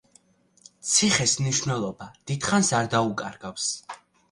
ციხეს მნიშვნელობა დიდხანს არ დაუკარგავს.